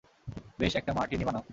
বেশ, একটা মার্টিনি বানাও।